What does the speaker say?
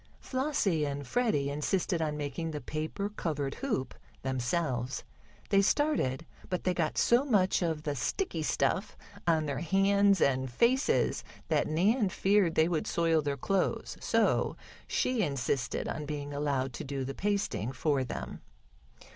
Flossie and Freddie insisted on making the paper covered hoop themselves. They started, but they got so much of the sticky stuff on their hands and faces that Nan feared they would soil their clothes, so she insisted on being allowed to do the pasting for them.